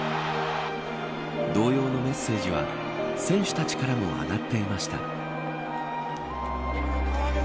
同様のメッセージは選手たちからも上がっていました。